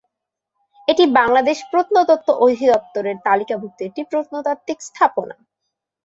এটি বাংলাদেশ প্রত্নতত্ত্ব অধিদপ্তর এর তালিকাভুক্ত একটি প্রত্নতাত্ত্বিক স্থাপনা।